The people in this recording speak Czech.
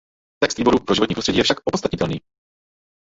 Text Výboru pro životní prostředí je však opodstatnitelný.